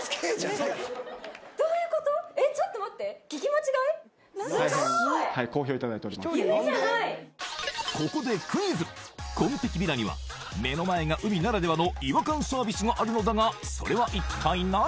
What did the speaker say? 夢じゃないここでクイズ紺碧ヴィラには目の前が海ならではの違和感サービスがあるのだがそれは一体何？